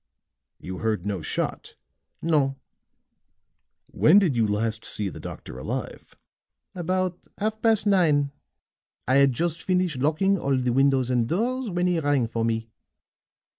"You heard no shot?" "No." "When did you last see the doctor alive?" "About half past nine. I had just finished locking all the windows and doors when he rang for me."